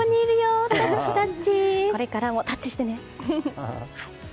これからもタッチしてね。